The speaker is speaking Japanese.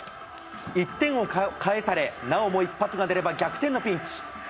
１点を返され、なおも一発が出れば逆転のピンチ。